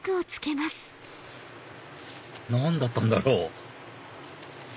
何だったんだろう？